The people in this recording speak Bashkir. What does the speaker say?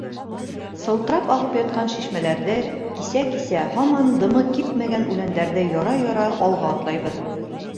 Сылтырап ағып ятҡан шишмәләрҙе кисә-кисә, һаман дымы кипмәгән үләндәрҙе яра-яра алға атлайбыҙ.